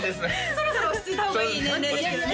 そろそろ落ち着いた方がいい年齢ですよね